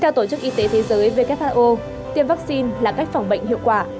theo tổ chức y tế thế giới who tiêm vaccine là cách phòng bệnh hiệu quả